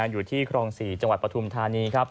อยู่ที่ครอง๔จังหวัดปฐุมธานี